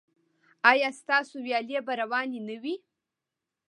ایا ستاسو ویالې به روانې نه وي؟